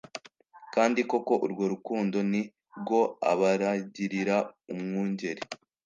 Kandi koko urwo rukundo ni rwo abaragirira Umwungeri